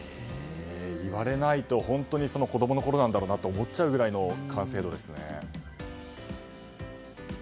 言われないと本当に子供のころなんだろうなと思っちゃうぐらいの完成度ですね。